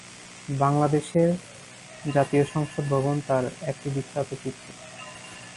বাংলাদেশের জাতীয় সংসদ ভবন তার একটি বিখ্যাত কীর্তি।